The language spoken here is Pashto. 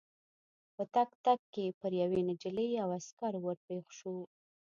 په تګ تګ کې پر یوې نجلۍ او عسکر ور پېښ شوو.